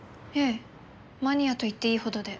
マニアと言っていいほどで。